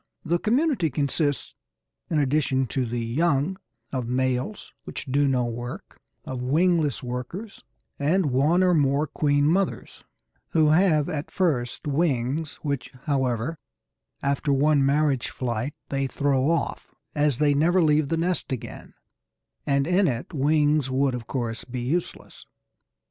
The community consists, in addition to the young, of males, which do no work, of wingless workers, and one or more queen mothers, who have at first wings, which, however, after one marriage flight, they throw off, as they never leave the nest again, and in it wings would of course be useless.